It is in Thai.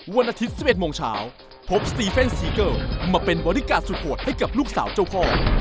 วันอาทิตย์๑๑โมงเช้าพบสตีเฟ่นซีเกิลมาเป็นบริการสุดโหดให้กับลูกสาวเจ้าพ่อ